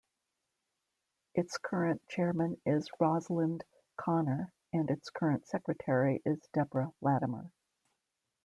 Its current chairman is Rosalind Connor and its current secretary is Deborah Latimer.